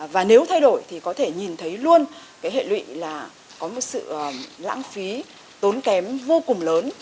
và nếu thay đổi thì có thể nhìn thấy luôn cái hệ lụy là có một sự lãng phí tốn kém vô cùng lớn